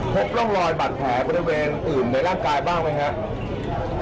พบร่องรอยบาดแผลบริเวณอื่นในร่างกายบ้างไหมครับ